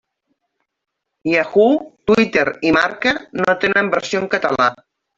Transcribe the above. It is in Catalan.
Yahoo!, Twitter i Marca no tenen versió en català.